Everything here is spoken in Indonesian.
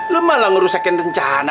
lo malah ngerusakin rencana